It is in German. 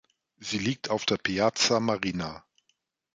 Sie liegt auf der Piazza Marina.